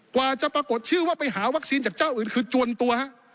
กว่าจะปรากฏชื่อว่าไปหาวัคซีนจากเจ้าอื่นคือจวนตัวฮะ